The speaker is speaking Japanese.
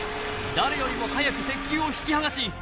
誰よりも早く鉄球を引き剥がしＫＩＮＧ